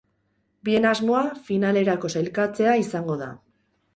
Bien asmoa finalerako sailkatzea izango da.